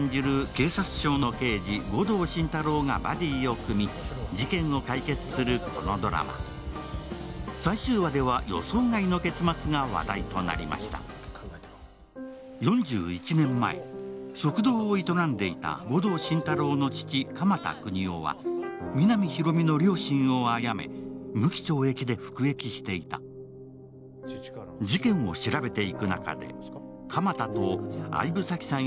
警察庁の刑事護道心太朗がバディを組み事件を解決するこのドラマ最終話では予想外の結末が話題となりました４１年前食堂を営んでいた護道心太朗の父・鎌田國士は皆実広見の両親をあやめ無期懲役で服役していた事件を調べていく中で鎌田と相武紗季さん